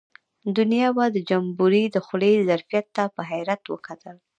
دنیا به د جمبوري د خولې ظرفیت ته په حیرت وکتل.